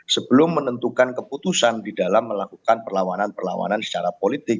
sebelum menentukan keputusan di dalam melakukan perlawanan perlawanan secara politik